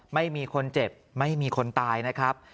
ไม่มีคนเจ็บไม่มีคนตายนะครับ